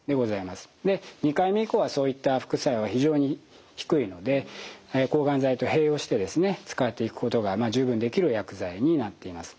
２回目以降はそういった副作用は非常に低いので抗がん剤と併用して使っていくことが十分できる薬剤になっています。